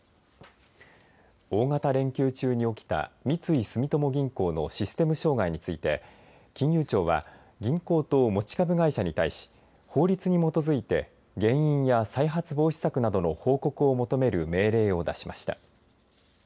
大型連休中に起きた三井住友銀行のシステム障害について金融庁は銀行と持ち株会社に対し法律に基づいて原因や再発防止策などの報告を求める命令を出しました。